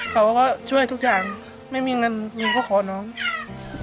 เขาก็ช่วยทุกอย่างไม่มีเงินก็ขอหนะ